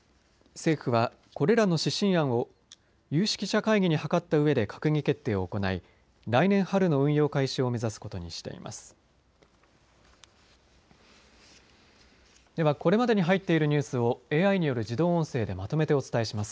政府はこれらの指針案を有識者会議に諮ったうえで閣議決定を行い来年春の運用開始を目指すことにしています。